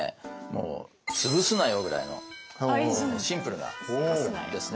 もう「つぶすなよ」ぐらいのシンプルなやつですね。